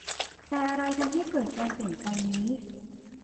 แต่อะไรทำให้เกิดการเปลี่ยนใจนี้